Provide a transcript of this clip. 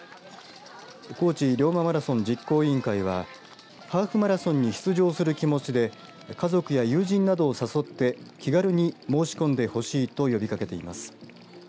高知龍馬マラソン実行委員会はハーフマラソンに出場する気持ちで家族や友人などを誘って気軽に申し込んでほしいと呼びかけています。